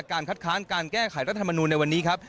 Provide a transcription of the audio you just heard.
การคัดค้านการแก้ไขรัฐมนูลในวันนี้ครับ